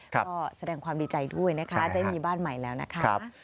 ก็แสดงความดีใจด้วยนะคะได้มีบ้านใหม่แล้วนะคะ